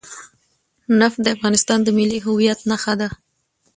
نفت د افغانستان د ملي هویت نښه ده.